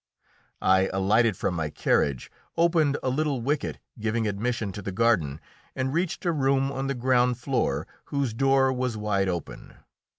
I alighted from my carriage, opened a little wicket giving admission to the garden, and reached a room on the ground floor whose door was wide open.